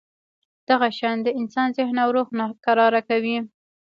دغه شیان د انسان ذهن او روح ناکراره کوي.